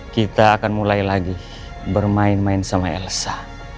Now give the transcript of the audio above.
kita akan mulai lagi bermain main sama elsa